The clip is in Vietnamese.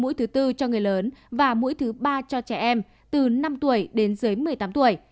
mũi thứ tư cho người lớn và mũi thứ ba cho trẻ em từ năm tuổi đến dưới một mươi tám tuổi